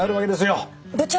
部長。